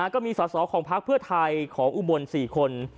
ก็มีสาธารณ์ของภาคเพื่อไทยของอุบวน๔คน